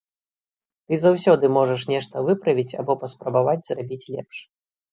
Ты заўсёды можаш нешта выправіць або паспрабаваць зрабіць лепш.